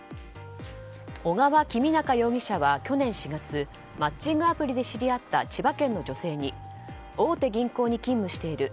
小川公央容疑者は去年４月マッチングアプリで知り合った千葉県の女性に大手銀行に勤務している。